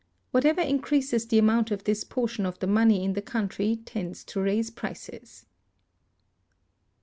Whatever increases the amount of this portion of the money in the country tends to raise prices.